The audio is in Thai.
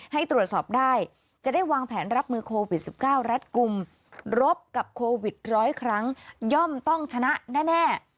ให้ตรวจสอบได้จะได้วางแผนรับมือโควิด๑๙รัฐกลุ่มรบกับโควิดร้อยครั้งย่อมต้องชนะแน่